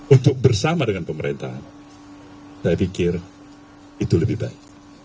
untuk bersama dengan pemerintah saya pikir itu lebih baik